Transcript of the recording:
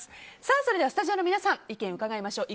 それではスタジオの皆さん意見を伺いましょう。